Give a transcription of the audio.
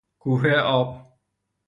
کوهه آب